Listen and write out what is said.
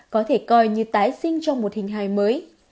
có thể coi như tái sinh trong một hình hài mới